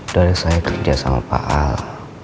dari saya kerja sama pak al